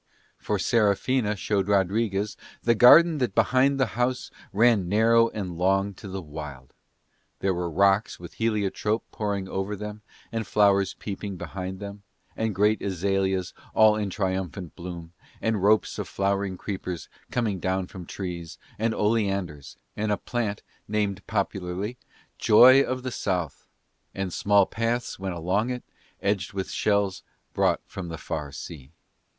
For Serafina showed Rodriguez the garden that behind the house ran narrow and long to the wild. There were rocks with heliotrope pouring over them and flowers peeping behind them, and great azaleas all in triumphant bloom, and ropes of flowering creepers coming down from trees, and oleanders, and a plant named popularly Joy of the South, and small paths went along it edged with shells brought from the far sea.